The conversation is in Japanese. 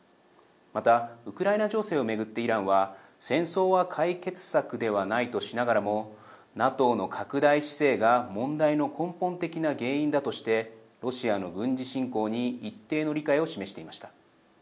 また、ウクライナ情勢を巡ってイランは戦争は解決策ではないとしながらもＮＡＴＯの拡大姿勢が問題の根本的な原因だとしてロシアの軍事侵攻に一定の理解を示していました。